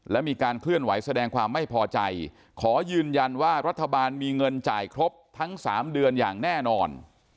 และมีการเคลื่อนไหวแสดงความไม่พอใจขอยืนยันว่ารัฐบาลมีเงินจ่ายครบทั้ง๓เดือนอย่างแน่นอน